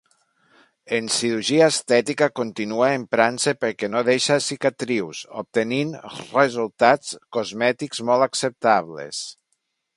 En cirurgia estètica continua emprant-se perquè no deixa cicatrius, obtenint resultats cosmètics molt acceptables.